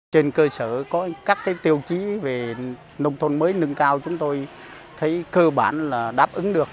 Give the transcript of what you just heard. trên cơ sở có các tiêu chí về nông thôn mới nâng cao chúng tôi thấy cơ bản là đáp ứng được